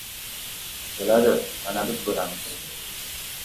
— Bo‘ladi, mana biz bo‘lamiz.